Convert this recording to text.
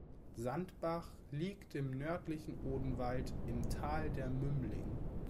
Sandbach liegt im nördlichen Odenwald im Tal der Mümling.